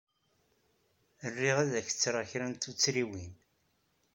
Riɣ ad k-ttreɣ kra n tuttriwin.